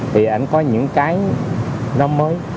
thì anh có những cái nó mới